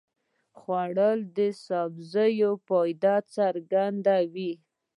خوړل د سبزیو فایده څرګندوي